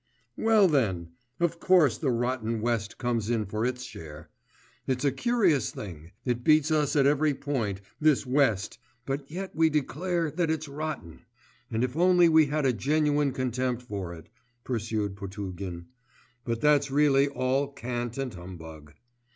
Well, then, of course the rotten West comes in for its share. It's a curious thing, it beats us at every point, this West but yet we declare that it's rotten! And if only we had a genuine contempt for it,' pursued Potugin, 'but that's really all cant and humbug.